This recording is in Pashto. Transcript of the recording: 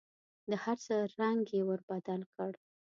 د هر څه رنګ یې ور بدل کړ .